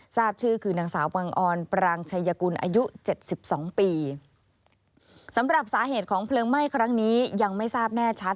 ทราบชื่อคือนางสาวบังออนปรางชายกุลอายุเจ็ดสิบสองปีสำหรับสาเหตุของเพลิงไหม้ครั้งนี้ยังไม่ทราบแน่ชัด